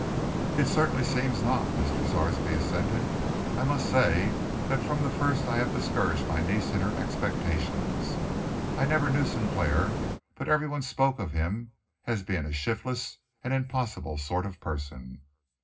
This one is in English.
"It certainly seems not," Mr. Sarsby assented. "I must say that from the first I have discouraged my niece in her expectations. I never knew Sinclair, but everyone spoke of him as being a shiftless and impossible sort of person."